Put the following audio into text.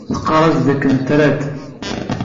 Tqarr-as-d dakken tra-t.